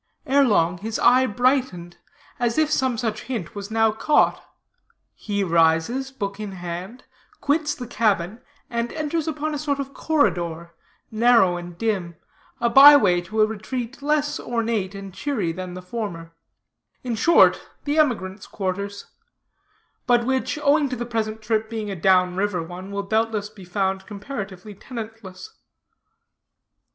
Ere long his eye brightened, as if some such hint was now caught. He rises, book in hand, quits the cabin, and enters upon a sort of corridor, narrow and dim, a by way to a retreat less ornate and cheery than the former; in short, the emigrants' quarters; but which, owing to the present trip being a down river one, will doubtless be found comparatively tenantless.